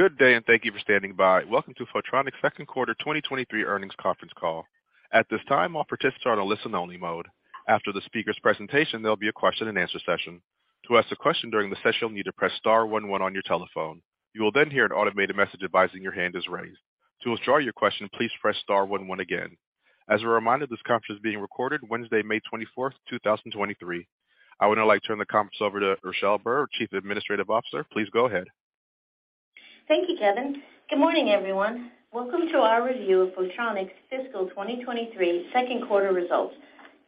Good day. Thank you for standing by. Welcome to Photronics second quarter 2023 earnings conference call. At this time, all participants are in a listen only mode. After the speaker's presentation, there'll be a question and answer session. To ask a question during the session, you'll need to press star one one on your telephone. You will then hear an automated message advising your hand is raised. To withdraw your question, please press star one one again. As a reminder, this conference is being recorded Wednesday, May 24th, 2023. I would now like to turn the conference over to Richelle Burr, Chief Administrative Officer. Please go ahead. Thank you, Kevin. Good morning, everyone. Welcome to our review of Photronics fiscal 2023 second quarter results.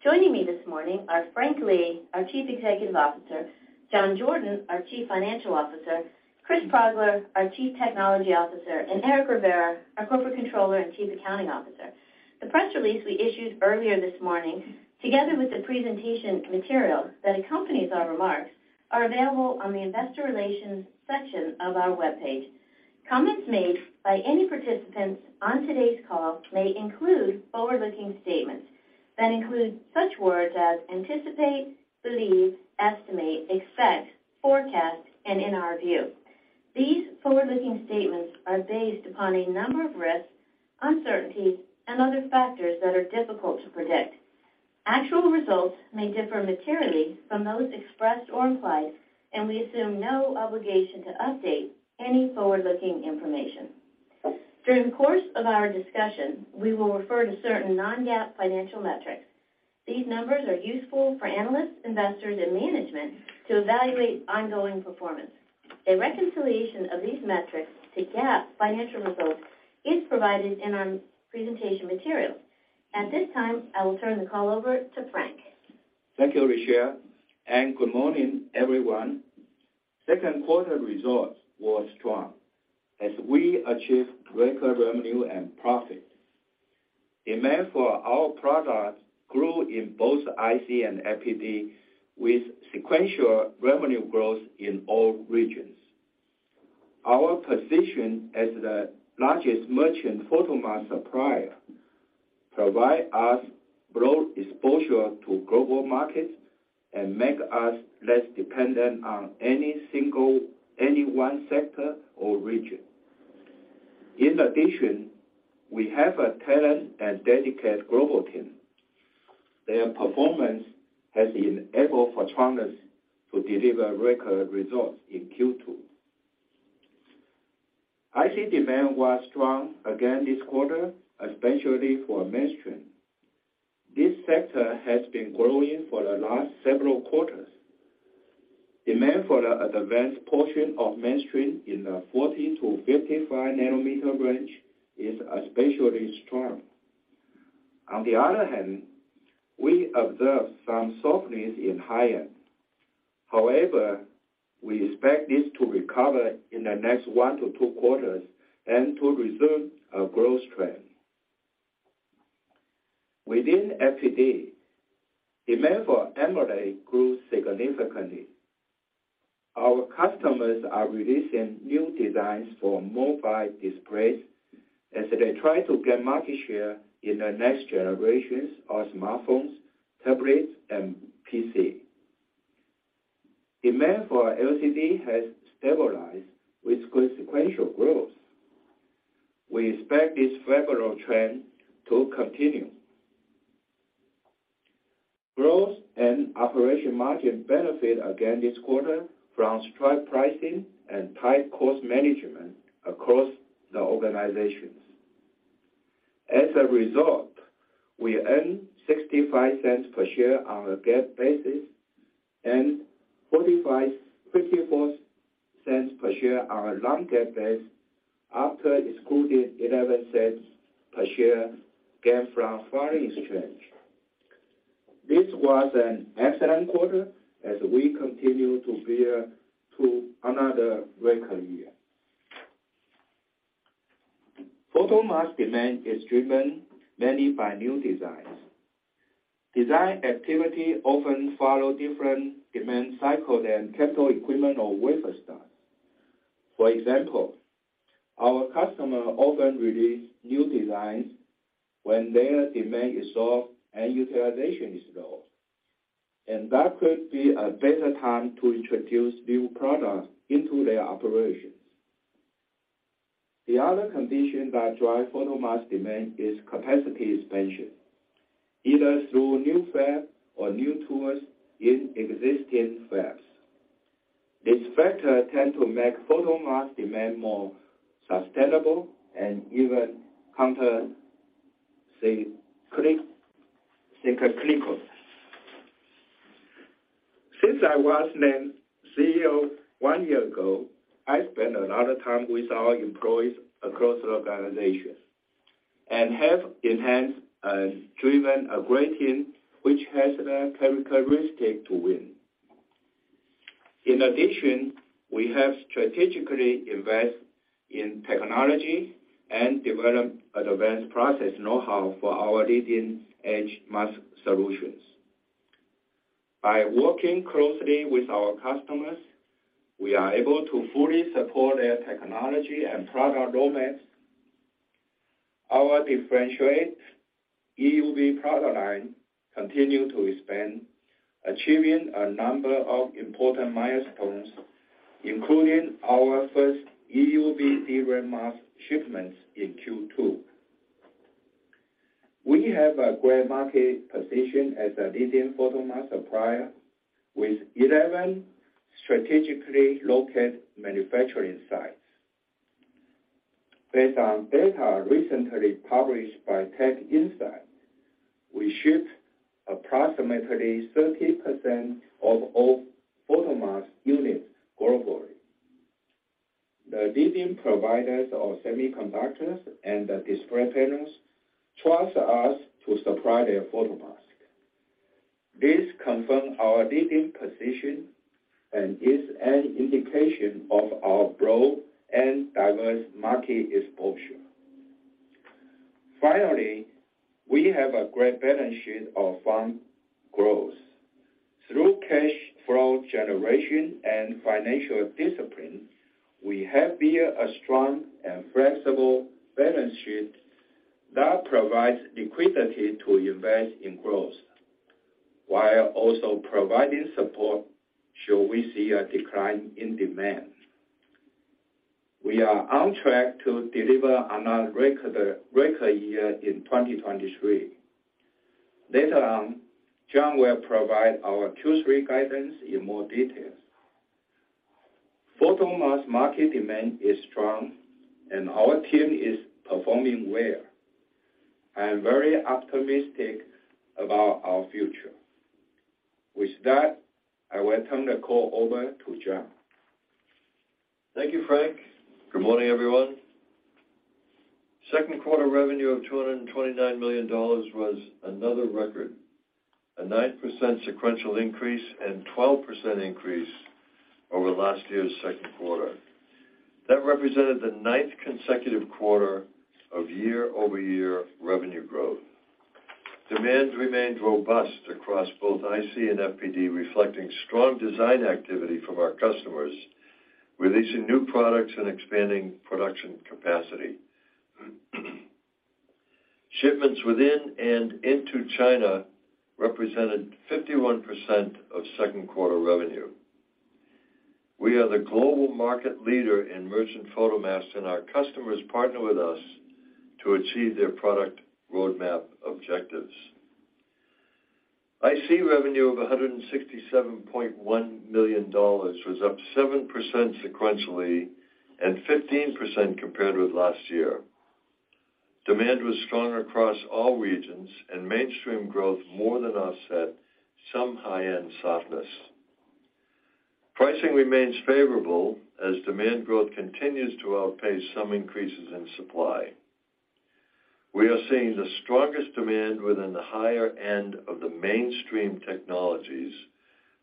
Joining me this morning are Frank Lee, our Chief Executive Officer, John Jordan, our Chief Financial Officer, Christopher Progler, our Chief Technology Officer, and Eric Rivera, our Corporate Controller and Chief Accounting Officer. The press release we issued earlier this morning, together with the presentation material that accompanies our remarks, are available on the investor relations section of our webpage. Comments made by any participants on today's call may include forward-looking statements that include such words as anticipate, believe, estimate, expect, forecast, and in our view. These forward-looking statements are based upon a number of risks, uncertainties, and other factors that are difficult to predict. Actual results may differ materially from those expressed or implied, and we assume no obligation to update any forward-looking information. During the course of our discussion, we will refer to certain non-GAAP financial metrics. These numbers are useful for analysts, investors, and management to evaluate ongoing performance. A reconciliation of these metrics to GAAP financial results is provided in our presentation material. At this time, I will turn the call over to Frank. Thank you, Richelle, and good morning, everyone. Second quarter results were strong as we achieved record revenue and profit. Demand for our products grew in both IC and FPD with sequential revenue growth in all regions. Our position as the largest merchant photomask supplier provide us broad exposure to global markets and make us less dependent on any one sector or region. In addition, we have a talented and dedicated global team. Their performance has enabled Photronics to deliver record results in Q2. IC demand was strong again this quarter, especially for mainstream. This sector has been growing for the last several quarters. Demand for the advanced portion of mainstream in the 40-55 nanometer range is especially strong. On the other hand, we observed some softness in high-end. We expect this to recover in the next one to two quarters and to resume a growth trend. Within FPD, demand for AMOLED grew significantly. Our customers are releasing new designs for mobile displays as they try to gain market share in the next generations of smartphones, tablets, and PC. Demand for LCD has stabilized with good sequential growth. We expect this favorable trend to continue. Growth and operation margin benefit again this quarter from strong pricing and tight cost management across the organizations. We earn $0.65 per share on a GAAP basis and $0.54 per share on a non-GAAP basis after excluding $0.11 per share gain from foreign exchange. This was an excellent quarter as we continue to build to another record year. Photomask demand is driven mainly by new designs. Design activity often follow different demand cycle than capital equipment or wafer start. For example, our customer often release new designs when their demand is slow and utilization is low, and that could be a better time to introduce new products into their operations. The other condition that drive photomask demand is capacity expansion, either through new fab or new tools in existing fabs. This factor tend to make photomask demand more sustainable and even countercyclical. Since I was named CEO one year ago, I spent a lot of time with our employees across the organization and have enhanced and driven a great team which has the characteristic to win. In addition, we have strategically invest in technology and develop advanced process know-how for our leading-edge mask solutions. By working closely with our customers, we are able to fully support their technology and product roadmaps. Our differentiate EUV product line continue to expand, achieving a number of important milestones, including our first EUV DRAM mask shipments in Q2. We have a great market position as a leading photomask supplier with 11 strategically located manufacturing sites. Based on data recently published by TechInsights, we shipped approximately 30% of all photomask units globally. The leading providers of semiconductors and the display panels trust us to supply their photomask. This confirms our leading position and is an indication of our broad and diverse market exposure. Finally, we have a great balance sheet of fund growth. Through cash flow generation and financial discipline, we have built a strong and flexible balance sheet that provides liquidity to invest in growth while also providing support should we see a decline in demand. We are on track to deliver another record year in 2023. Later on, John will provide our Q3 guidance in more details. Photomask market demand is strong and our team is performing well. I am very optimistic about our future. With that, I will turn the call over to John. Thank you, Frank. Good morning, everyone. Second quarter revenue of $229 million was another record, a 9% sequential increase and 12% increase over last year's second quarter. That represented the ninth consecutive quarter of year-over-year revenue growth. Demand remained robust across both IC and FPD, reflecting strong design activity from our customers, releasing new products and expanding production capacity. Shipments within and into China represented 51% of second quarter revenue. We are the global market leader in merchant photomasks. Our customers partner with us to achieve their product roadmap objectives. IC revenue of $167.1 million was up 7% sequentially and 15% compared with last year. Demand was strong across all regions. Mainstream growth more than offset some high-end softness. Pricing remains favorable as demand growth continues to outpace some increases in supply. We are seeing the strongest demand within the higher end of the mainstream technologies,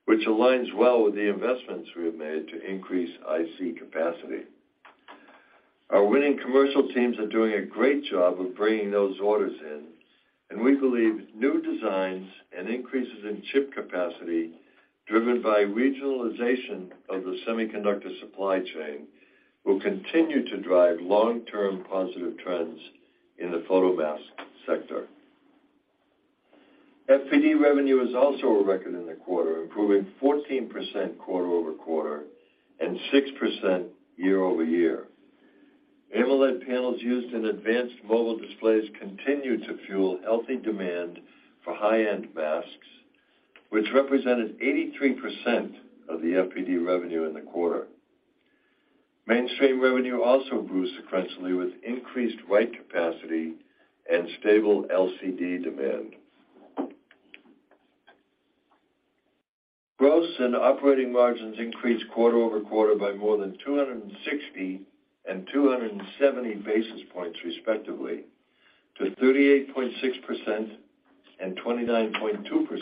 which aligns well with the investments we have made to increase IC capacity. We believe new designs and increases in chip capacity driven by regionalization of the semiconductor supply chain will continue to drive long-term positive trends in the photomask sector. FPD revenue is also a record in the quarter, improving 14% quarter-over-quarter and 6% year-over-year. AMOLED panels used in advanced mobile displays continue to fuel healthy demand for high-end masks, which represented 83% of the FPD revenue in the quarter. Mainstream revenue also grew sequentially with increased right capacity and stable LCD demand. Gross and operating margins increased quarter-over-quarter by more than 260 and 270 basis points respectively, to 38.6% and 29.2%,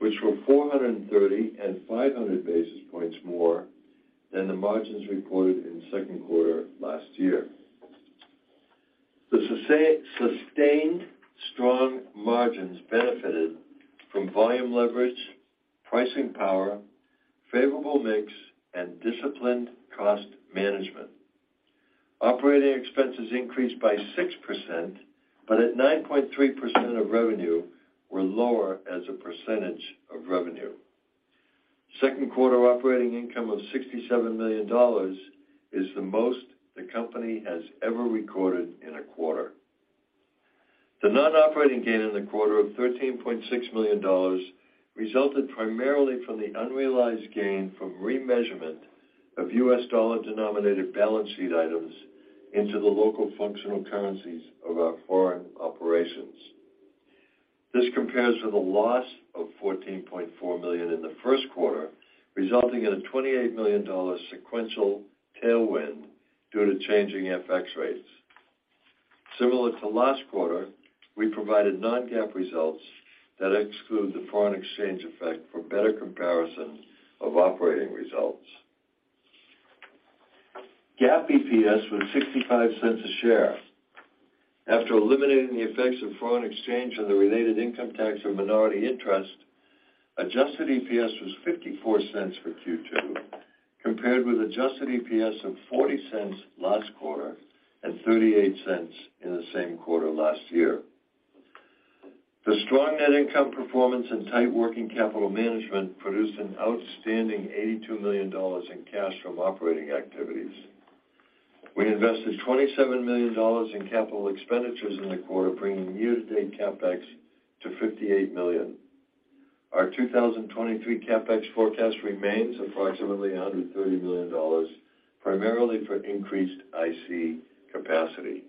which were 430 and 500 basis points more than the margins recorded in the second quarter of last year. The sustained strong margins benefited from volume leverage, pricing power, favorable mix, and disciplined cost management. Operating expenses increased by 6%, but at 9.3% of revenue were lower as a percentage of revenue. Second quarter operating income of $67 million is the most the company has ever recorded in a quarter. The non-operating gain in the quarter of $13.6 million resulted primarily from the unrealized gain from remeasurement of U.S. dollar-denominated balance sheet items into the local functional currencies of our foreign operations. This compares with a loss of $14.4 million in the first quarter, resulting in a $28 million sequential tailwind due to changing FX rates. Similar to last quarter, we provided non-GAAP results that exclude the foreign exchange effect for better comparison of operating results. GAAP EPS was $0.65 a share. After eliminating the effects of foreign exchange and the related income tax or minority interest. Adjusted EPS was $0.54 for Q2, compared with adjusted EPS of $0.40 last quarter and $0.38 in the same quarter last year. The strong net income performance and tight working capital management produced an outstanding $82 million in cash from operating activities. We invested $27 million in capital expenditures in the quarter, bringing year-to-date CapEx to $58 million. Our 2023 CapEx forecast remains approximately $130 million, primarily for increased IC capacity.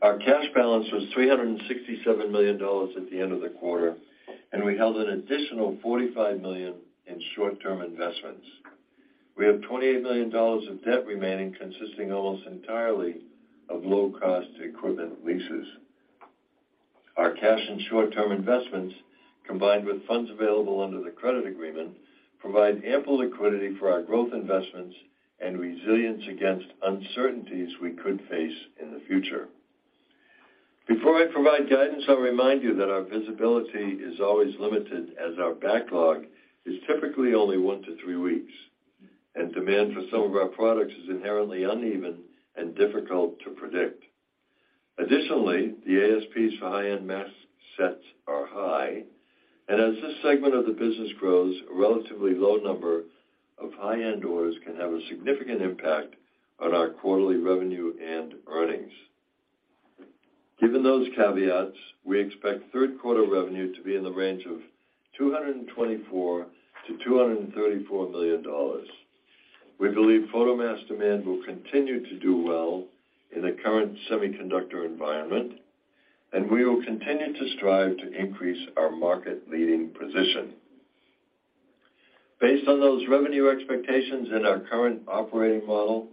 Our cash balance was $367 million at the end of the quarter, and we held an additional $45 million in short-term investments. We have $28 million of debt remaining, consisting almost entirely of low-cost equipment leases. Our cash and short-term investments, combined with funds available under the credit agreement, provide ample liquidity for our growth investments and resilience against uncertainties we could face in the future. Before I provide guidance, I'll remind you that our visibility is always limited, as our backlog is typically only one to three weeks, and demand for some of our products is inherently uneven and difficult to predict. Additionally, the ASPs for high-end mask sets are high, and as this segment of the business grows, a relatively low number of high-end orders can have a significant impact on our quarterly revenue and earnings. Given those caveats, we expect third quarter revenue to be in the range of $224 million-$234 million. We believe photomask demand will continue to do well in the current semiconductor environment, and we will continue to strive to increase our market-leading position. Based on those revenue expectations in our current operating model,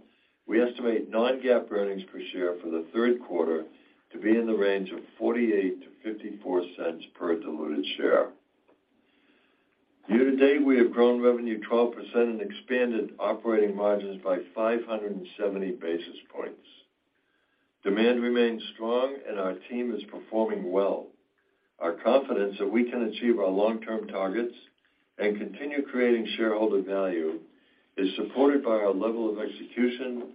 we estimate non-GAAP earnings per share for the third quarter to be in the range of $0.48-$0.54 per diluted share. Year to date, we have grown revenue 12% and expanded operating margins by 570 basis points. Demand remains strong and our team is performing well. Our confidence that we can achieve our long-term targets and continue creating shareholder value is supported by our level of execution,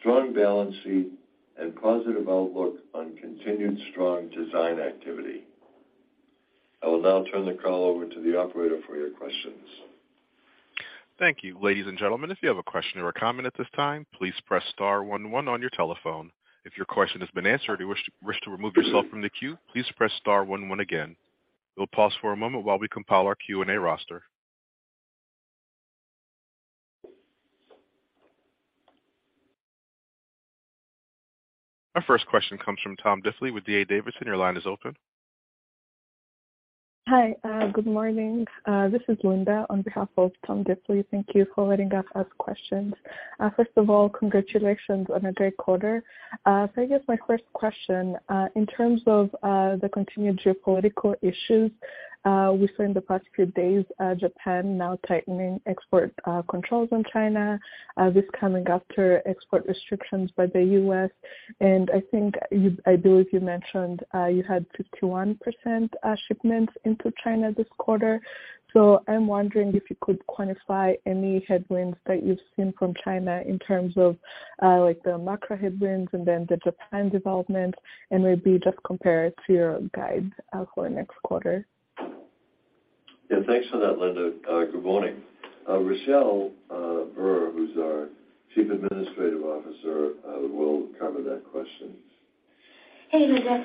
strong balance sheet, and positive outlook on continued strong design activity. I will now turn the call over to the operator for your questions. Thank you. Ladies and gentlemen, if you have a question or a comment at this time, please press star one one on your telephone. If your question has been answered and you wish to remove yourself from the queue, please press star one one again. We'll pause for a moment while we compile our Q&A roster. Our first question comes from Tom Diffely with D.A. Davidson. Your line is open. Hi, good morning. This is Linda on behalf of Tom Diffely. Thank you for letting us ask questions. First of all, congratulations on a great quarter. I guess my first question, in terms of the continued geopolitical issues, we saw in the past few days, Japan now tightening export controls on China, this coming after export restrictions by the U.S. I think I believe you mentioned, you had 51% shipments into China this quarter. I'm wondering if you could quantify any headwinds that you've seen from China in terms of, like, the macro headwinds and then the Japan development, and maybe just compare it to your guide for next quarter. Yeah, thanks for that, Linda. Good morning. Richelle Burr, who's our Chief Administrative Officer, will cover that question. Hey, Linda.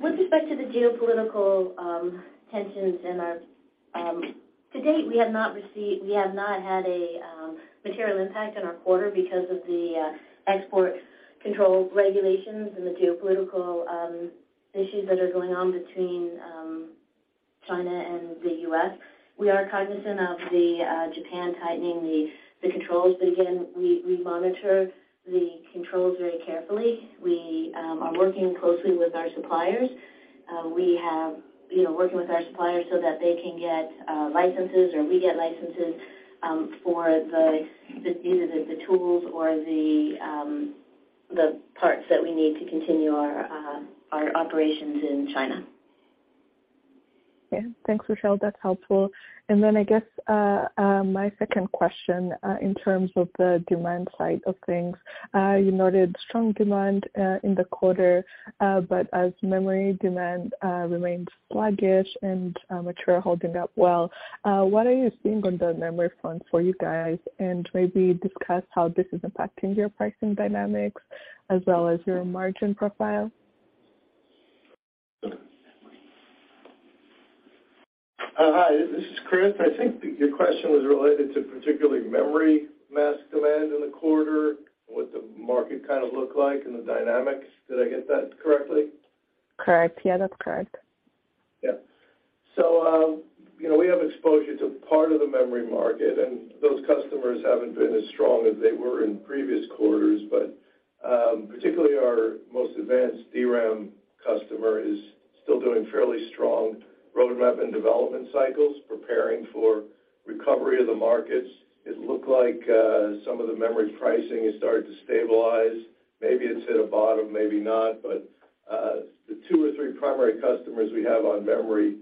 With respect to the geopolitical tensions in our to date, we have not had a material impact on our quarter because of the export control regulations and the geopolitical issues that are going on between China and the U.S. We are cognizant of Japan tightening the controls, again, we monitor the controls very carefully. We are working closely with our suppliers. We have, you know, working with our suppliers so that they can get licenses or we get licenses for either the tools or the parts that we need to continue our operations in China. Okay. Thanks, Richelle. That's helpful. I guess my second question, in terms of the demand side of things, you noted strong demand in the quarter, but as memory demand remains sluggish and mature holding up well, what are you seeing on the memory front for you guys? Maybe discuss how this is impacting your pricing dynamics as well as your margin profile. Hi, this is Christopher. I think your question was related to particularly memory mask demand in the quarter, what the market kind of look like and the dynamics. Did I get that correctly? Correct. Yeah, that's correct. You know, we have exposure to part of the memory market, and those customers haven't been as strong as they were in previous quarters. Particularly our most advanced DRAM customer is still doing fairly strong roadmap and development cycles, preparing for recovery of the markets. It looked like some of the memory pricing has started to stabilize. Maybe it's hit a bottom, maybe not. The two or three primary customers we have on memory,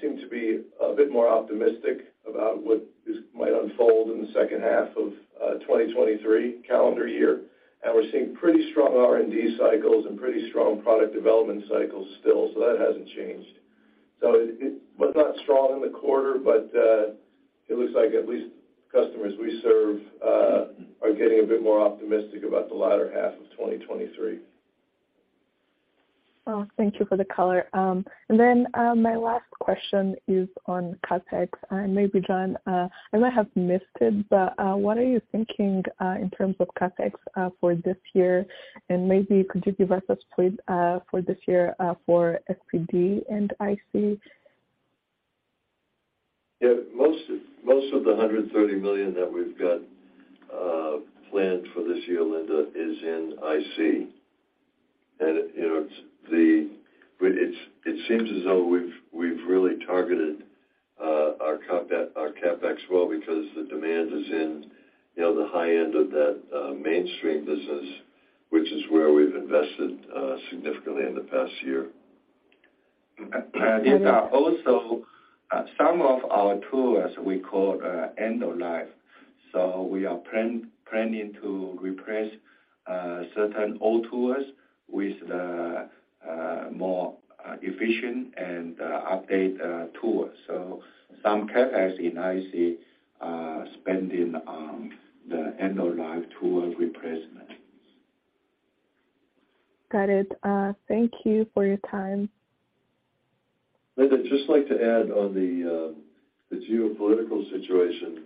seem to be a bit more optimistic about what might unfold in the second half of 2023 calendar year. We're seeing pretty strong R&D cycles and pretty strong product development cycles still. That hasn't changed. It was not strong in the quarter, but it looks like at least customers we serve, are getting a bit more optimistic about the latter half of 2023. Oh, thank you for the color. My last question is on CapEx. Maybe, John, I might have missed it, but what are you thinking, in terms of CapEx, for this year? Could you give us a split, for this year, for FPD and IC? Yeah. Most of the $130 million that we've got planned for this year, Linda, is in IC. You know, it's, it seems as though we've really targeted our CapEx well because the demand is in, you know, the high end of that mainstream business, which is where we've invested significantly in the past year. These are also some of our tools we call end of life. We are planning to replace certain old tools with the more efficient and updated tools. Some CapEx in IC are spending on the end of life tool replacement. Got it. Thank you for your time. Linda, I'd just like to add on the geopolitical situation.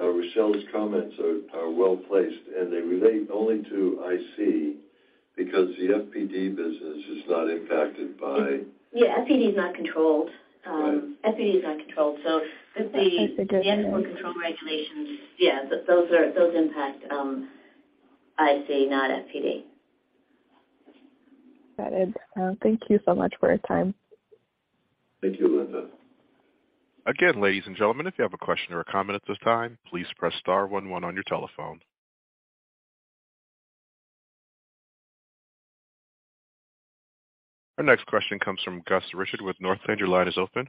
Richelle's comments are well placed, and they relate only to IC because the FPD business is not impacted. Yeah. FPD is not controlled. Right. FPD is not controlled. That makes a difference. The export control regulations. Yeah. Those impact IC, not FPD. Got it. Thank you so much for your time. Thank you, Linda. Again, ladies and gentlemen, if you have a question or a comment at this time, please press star one one on your telephone. Our next question comes from Gus Richard with Northland. Your line is open.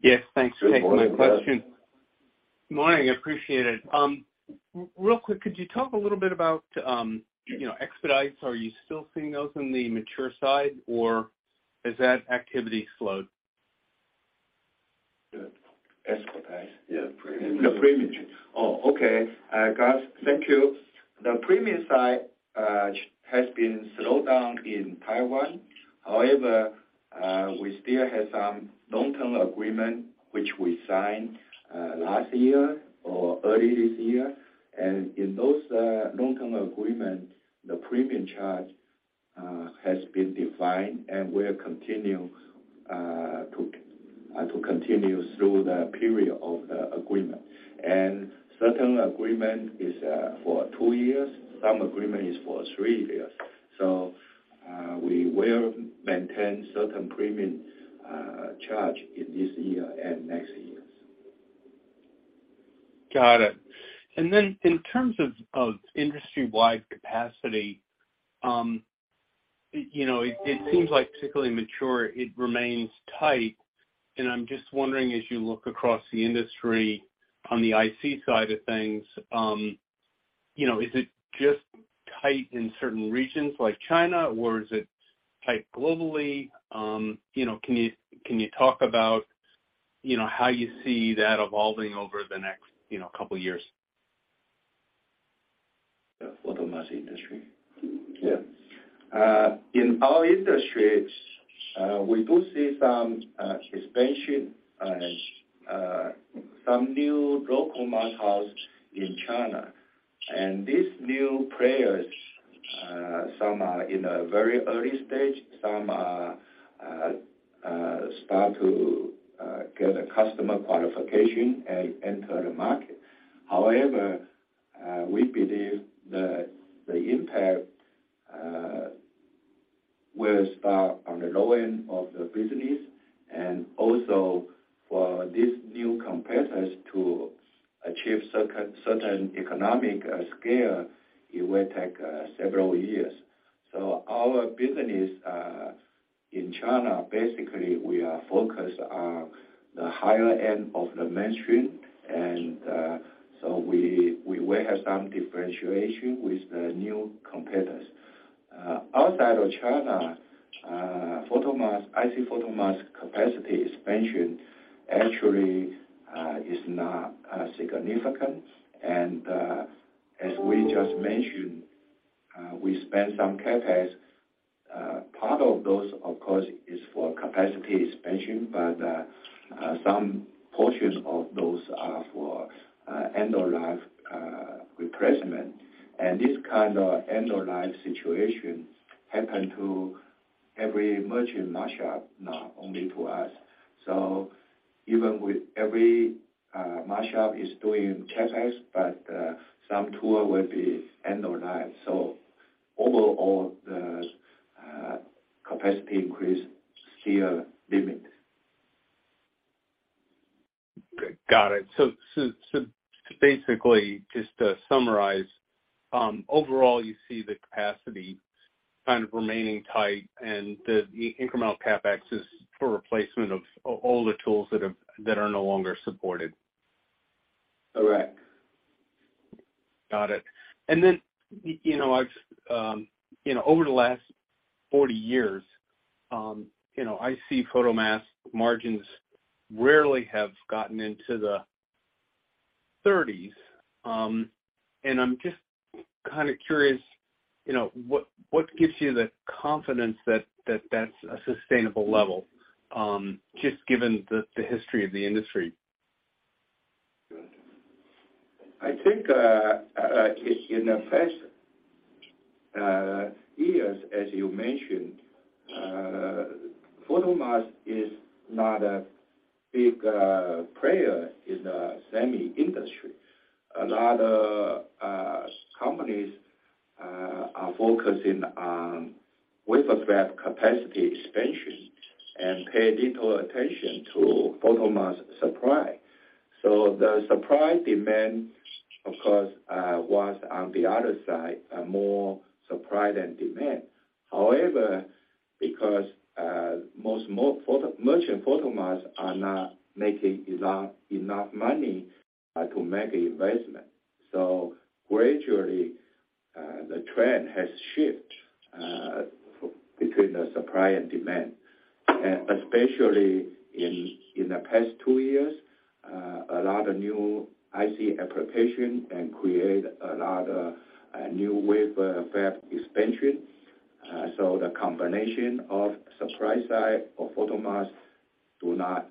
Yes, thanks. Good morning, Gus. Thanks for my question. Morning. Appreciate it. real quick, could you talk a little bit about, you know, expedites? Are you still seeing those on the mature side, or has that activity slowed? The expedite? Yeah. Premium. The premium. Oh, okay. Gus, thank you. The premium side has been slowed down in Taiwan. However, we still have some long-term agreement which we signed last year or early this year. In those long-term agreement, the premium charge has been defined, and we're continue to continue through the period of the agreement. Certain agreement is for two years, some agreement is for three years. We will maintain certain premium charge in this year and next years. Got it. Then in terms of industry-wide capacity, you know, it seems like particularly mature, it remains tight. I'm just wondering, as you look across the industry on the IC side of things, you know, is it just tight in certain regions like China, or is it tight globally? You know, can you talk about, you know, how you see that evolving over the next, you know, couple years? The photomask industry. Yeah. In our industry, we do see some expansion and some new local mask shop in China. These new players, some are in a very early stage. Some are start to get a customer qualification and enter the market. However, we believe the impact will start on the low end of the business. Also for these new competitors to achieve certain economic scale, it will take several years. Our business in China, basically we are focused on the higher end of the mainstream. We will have some differentiation with the new competitors. Outside of China, photomask, IC photomask capacity expansion actually is not significant. As we just mentioned, we spent some CapEx. Part of those, of course, is for capacity expansion, but some portion of those are for end of life replacement. This kind of end of life situation happened to every merchant mask shop, not only to us. Even with every mask shop doing CapEx, but some tool will be end of life. So overall, the capacity increase still limited. Got it. Basically, just to summarize, overall, you see the capacity kind of remaining tight and the incremental CapEx is for replacement of all the tools that are no longer supported. Correct. Got it. You know, I've, you know, over the last 40 years, you know, I see photomask margins rarely have gotten into the 30s. I'm just kind of curious, you know, what gives you the confidence that that's a sustainable level, just given the history of the industry? I think, in the past years, as you mentioned, photomask is not a big player in the semi industry. A lot of companies are focusing on wafer fab capacity expansion and pay little attention to photomask supply. The supply demand, of course, was on the other side, more supply than demand. However, because most merchant photomasks are not making enough money to make investment. Gradually, the trend has shift between the supply and demand. Especially in the past two years, a lot of new IC application and create a lot of new wafer fab expansion. The combination of supply side of photomask do not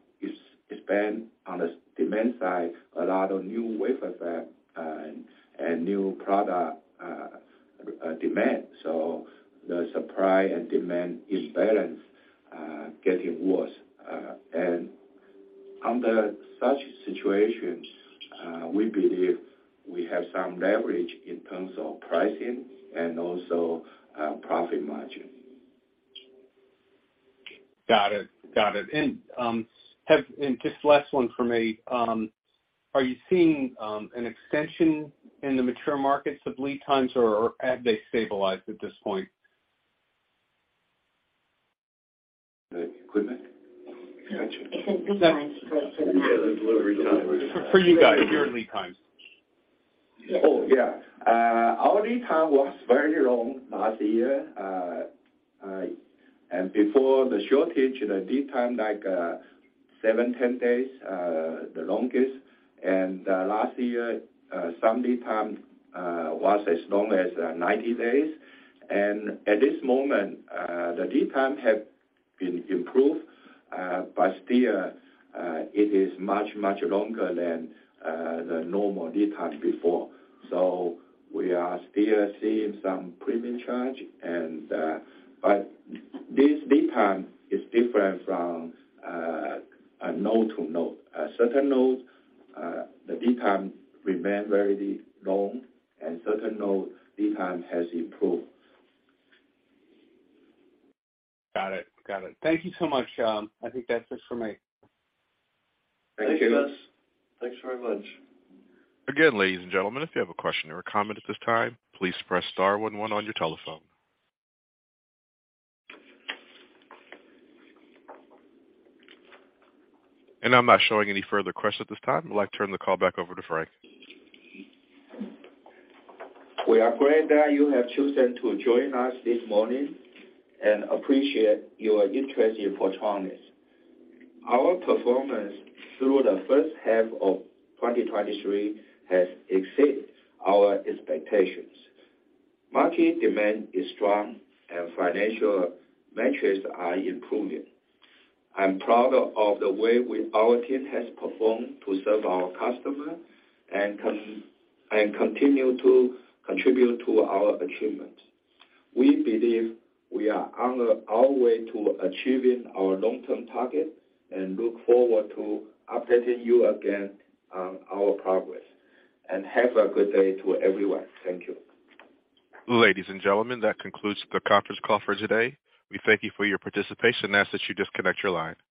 expand. On the demand side, a lot of new wafer fab and new product demand. The supply and demand imbalance, getting worse. Under such situations, we believe we have some leverage in terms of pricing and also, profit margin. Got it. Got it. Just last one from me. Are you seeing an extension in the mature markets of lead times, or have they stabilized at this point? The equipment? Extension. It said lead times for. Yeah, the delivery time. For you guys, your lead times. Oh, yeah. Our lead time was very long last year. Before the shortage, the lead time, like, seven, 10 days, the longest. Last year, some lead time was as long as 90 days. At this moment, the lead time have been improved, but still, it is much, much longer than the normal lead time before. We are still seeing some premium charge and... This lead time is different from a node to node. Certain nodes, the lead time remain very long and certain nodes, lead time has improved. Got it. Got it. Thank you so much. I think that's it for me. Thank you. Thank you, Gus. Thanks very much. Again, ladies and gentlemen, if you have a question or a comment at this time, please press star one one on your telephone. I'm not showing any further questions at this time. I'd like to turn the call back over to Frank. We are glad that you have chosen to join us this morning and appreciate your interest in Photronics. Our performance through the first half of 2023 has exceeded our expectations. Market demand is strong and financial metrics are improving. I'm proud of the way our team has performed to serve our customer and continue to contribute to our achievement. We believe we are on our way to achieving our long-term target and look forward to updating you again on our progress. Have a good day to everyone. Thank you. Ladies and gentlemen, that concludes the conference call for today. We thank you for your participation and ask that you disconnect your line.